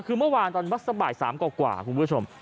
คือเมื่อวานตอนสักบ่าย๓กว่าคุณผู้ชม